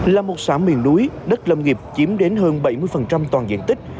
là một xã miền núi đất lâm nghiệp chiếm đến hơn bảy mươi toàn diện tích